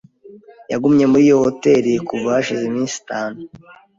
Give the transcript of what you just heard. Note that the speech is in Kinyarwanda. Yagumye muri iyo hoteri kuva hashize iminsi itanu.